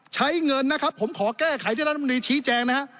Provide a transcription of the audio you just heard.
ใช้เงินนะครับผมขอแก้ไขที่ท่านธรรมดีชี้แจงนะครับ